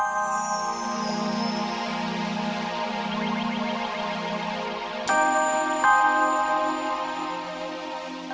baik lupa dilihat